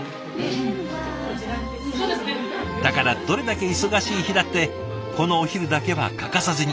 だからどれだけ忙しい日だってこのお昼だけは欠かさずに。